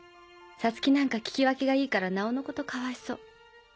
サツキなんか聞き分けがいいからなおのことかわいそう。